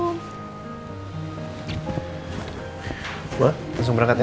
mbak langsung berangkat ya